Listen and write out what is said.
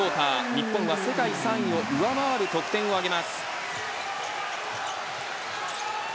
日本は世界３位を上回る得点を挙げます。